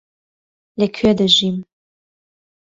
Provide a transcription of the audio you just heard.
لەکوێ دەژیم؟